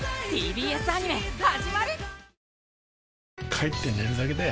帰って寝るだけだよ